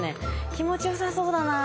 気持ちよさそうだな。